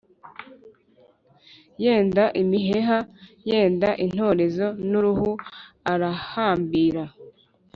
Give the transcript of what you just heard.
yenda imiheha, yenda intorezo n'uruho, arahambira,